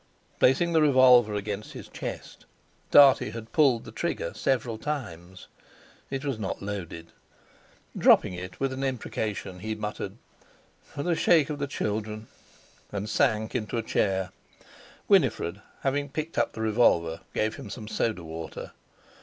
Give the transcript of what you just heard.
Placing the revolver against his chest, Dartie had pulled the trigger several times. It was not loaded. Dropping it with an imprecation, he had muttered: "For shake o' the children," and sank into a chair. Winifred, having picked up the revolver, gave him some soda water.